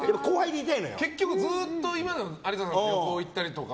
結局ずっと有田さんと旅行行ったりとか。